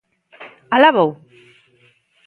¡Alá vou!